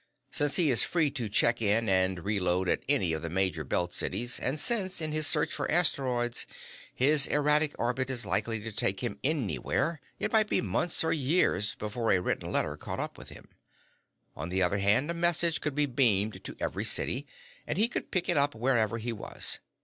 Since he is free to check in and reload at any of the major Belt Cities, and since, in his search for asteroids, his erratic orbit is likely to take him anywhere, it might be months or years before a written letter caught up with him. On the other hand, a message could be beamed to every city, and he could pick it up wherever he was.